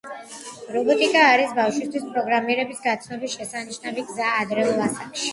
რობოტიკა არის ბავშვისთვის პროგრამირების გაცნობის შესანიშნავი გზა ადრეულ ასაკში.